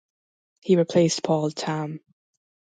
He replaced Paul Tamm.